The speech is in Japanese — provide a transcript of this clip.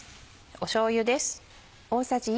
しょうゆです。